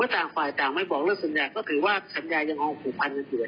ต้องเป็นเอกคนผู้ปฏิเสธในเมื่อคุณไม่เป็นผู้ปฏิเสธอะไรเลย